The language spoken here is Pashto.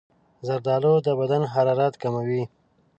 زردالو د بدن حرارت کموي.